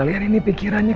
kita masuk dulu yuk